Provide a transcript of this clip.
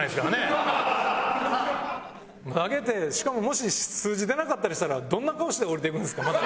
投げてしかももし数字出なかったりしたらどんな顔して降りていくんですか？